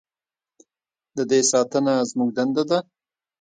د دې ساتنه زموږ دنده ده؟